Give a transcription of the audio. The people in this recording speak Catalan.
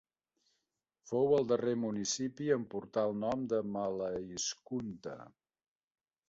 Fou el darrer municipi en portar el nom de maalaiskunta.